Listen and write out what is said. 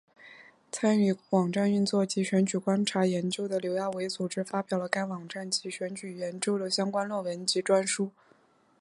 参与网站运作及选举观察研究的刘亚伟组织发表了该网站及选举研究的相关论文及专书。